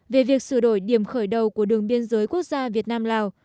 về việc sửa đổi điểm khởi đầu của đường biên giới quốc gia việt nam lào